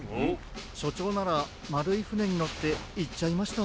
しょちょうならまるいふねにのっていっちゃいました。